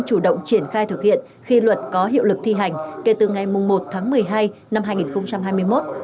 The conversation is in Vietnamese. chuyển khai thực hiện khi luật có hiệu lực thi hành kể từ ngày một tháng một mươi hai năm hai nghìn hai mươi một